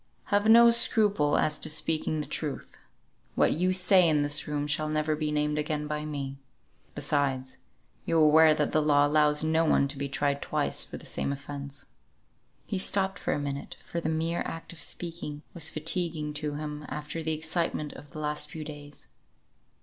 Have no scruple as to speaking the truth. What you say in this room shall never be named again by me. Besides, you are aware that the law allows no one to be tried twice for the same offence." He stopped for a minute, for the mere act of speaking was fatiguing to him after the excitement of the last few weeks.